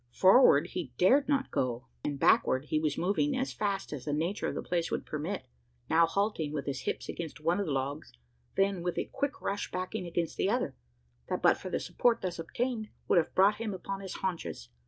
Forward he dared not go; and backward he was moving, as fast as the nature of the place would permit: now halting with his hips against one of the logs; then with a quick rush backing against the other, that, but for the support thus obtained, would have brought him upon his haunches!